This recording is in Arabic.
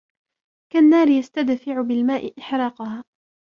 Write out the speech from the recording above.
كَالنَّارِ يُسْتَدْفَعُ بِالْمَاءِ إحْرَاقُهَا